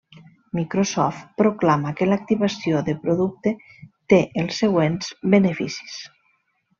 Microsoft proclama que l'activació de producte té els següents beneficis.